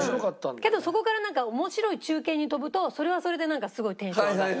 けどそこから面白い中継に飛ぶとそれはそれでなんかすごいテンション上がって。